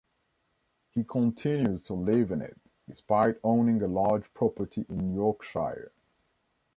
He continues to live in it, despite owning a large property in Yorkshire.